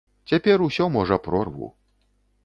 Цяпер усё можа прорву.